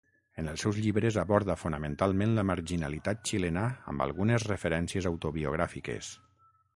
En els seus llibres aborda fonamentalment la marginalitat xilena amb algunes referències autobiogràfiques.